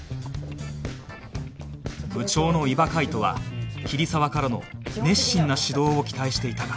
部長の伊庭海斗は桐沢からの熱心な指導を期待していたが